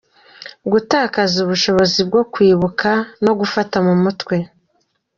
Gutakaza ubushobozi bwo kwibuka no gufata mu mutwe.